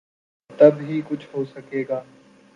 تب ہی کچھ ہو سکے گا۔